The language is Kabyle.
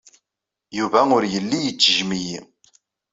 Yuba ur yelli ittejjem-iyi.